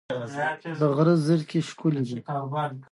د غره زرکې ښکلې دي